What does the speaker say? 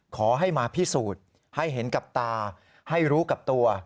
ขอให้มาพิสูจน์ให้เห็นกับตาให้รู้กับตัว